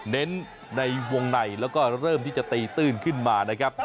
เน้นในวงในแล้วก็เริ่มที่จะตีตื้นขึ้นมานะครับ